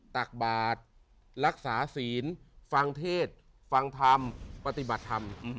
ตักบาทรักษาศีลฟังเทศฟังธรรมปฏิบัติธรรม